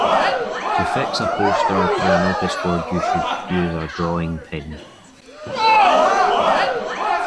To fix a poster to a noticeboard you should use a drawing pin